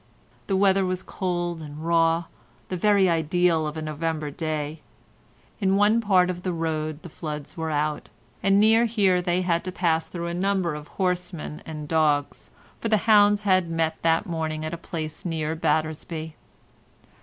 The weather was cold and raw—the very ideal of a November day; in one part of the road the floods were out, and near here they had to pass through a number of horsemen and dogs, for the hounds had met that morning at a place near Battersby.